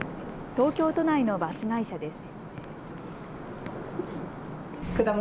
東京都内のバス会社です。